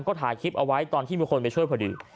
ก็ถ่ายคลิปเอาไว้ตอนที่มีคนไปช่วยพอดี